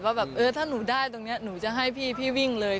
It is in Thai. ว่าแบบเออถ้าหนูได้ตรงนี้หนูจะให้พี่วิ่งเลย